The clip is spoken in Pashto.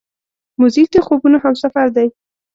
موزیک د خوبونو همسفر دی.